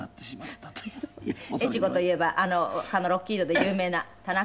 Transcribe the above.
越後といえばかのロッキードで有名な田中。